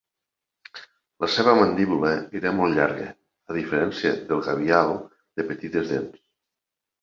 La seva mandíbula era molt llarga, a diferència del gavial, de petites dents.